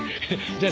じゃあ。